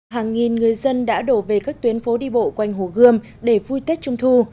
hàng nghìn người dân đã đổ về các tuyến phố đi bộ quanh hồ gươm để vui tết trung thu